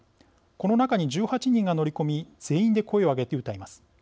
この中に１８人が乗り込み全員で声を上げて謡います。